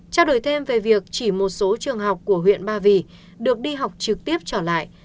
trao đổi thêm về việc chỉ một số trường học của huyện ba vì được đi học trực tiếp trở lại